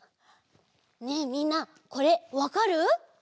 ねえみんなこれわかる？